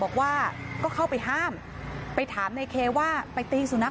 บอกว่าก็เข้าไปห้ามไปถามในเคว่าไปตีสุนัข